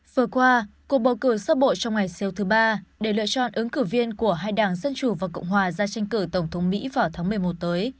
vừa qua cuộc bầu cử sơ bộ trong ngày siêu thứ ba để lựa chọn ứng cử viên của hai đảng dân chủ và cộng hòa ra tranh cử tổng thống mỹ vào tháng một mươi một tới